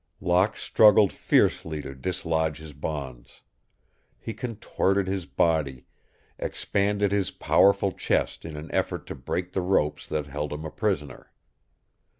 Locke struggled fiercely to dislodge his bonds. He contorted his body, expanded his powerful chest in an effort to break the ropes that held him a prisoner.